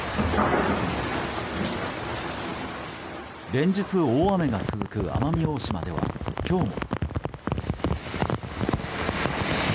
連日、大雨が続く奄美大島では今日も。